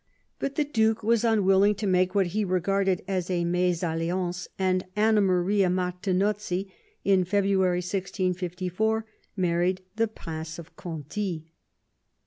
But the duke was unwilling to make what he regarded as a mesalliance, and Anna Maria Martinozzi in February 1654 married the Prince of Conti.